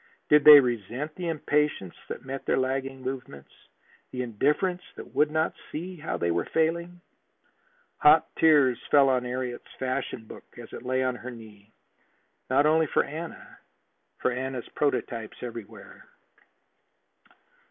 Did they resent the impatience that met their lagging movements, the indifference that would not see how they were failing? Hot tears fell on Harriet's fashion book as it lay on her knee. Not only for Anna for Anna's prototypes everywhere.